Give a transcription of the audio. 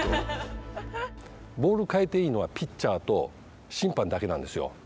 ボールかえていいのはピッチャーと審判だけなんですよ。